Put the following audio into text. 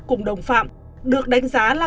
cùng đồng phạm được đánh giá là